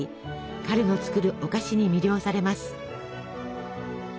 彼の作るお菓子に魅了されます。